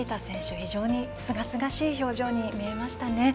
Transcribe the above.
非常にすがすがしい表情に見えました。